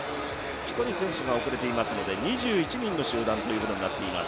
１人選手が遅れていますので２１人の集団ということになっています。